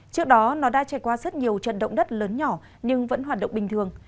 trước đó nó đã trải qua rất nhiều trận động đất lớn nhỏ nhưng vẫn hoạt động bình thường